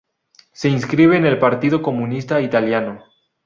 Se inscribe en el Partido Comunista Italiano.